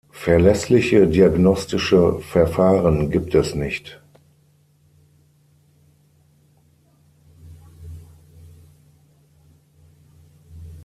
Verlässliche diagnostische Verfahren gibt es nicht.